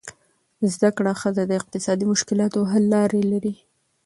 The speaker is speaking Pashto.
زده کړه ښځه د اقتصادي مشکلاتو حل لارې لري.